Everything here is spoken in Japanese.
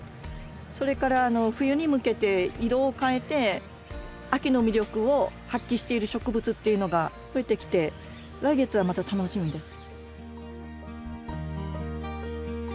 それから冬に向けて色を変えて秋の魅力を発揮している植物っていうのが増えてきて来月はまた楽しみです。